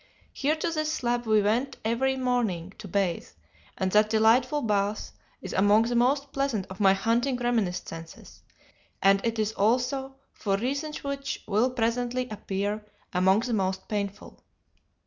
Here to this slab we went every morning to bathe, and that delightful bath is among the most pleasant of my hunting reminiscences, as it is also, for reasons which will presently appear, among the most painful.